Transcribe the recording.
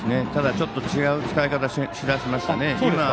ただ、ちょっと違う使い方し始めましたね。